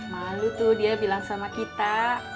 malu tuh dia bilang sama kita